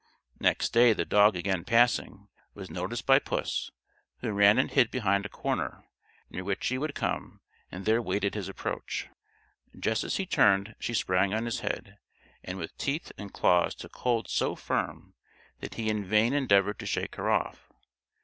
Next day the dog again passing, was noticed by puss, who ran and hid behind a corner, near which he would come, and there waited his approach. Just as he turned she sprung on his head, and with teeth and claws took hold so firm that he in vain endeavoured to shake her off.